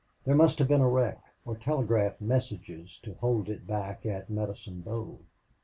There must have been a wreck or telegraph messages to hold it back at Medicine Bow.